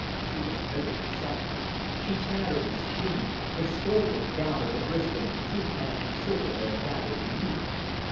She was very excited. She chattered and screamed, and scolded down at the bristling, tooth gnashing circle that had gathered beneath.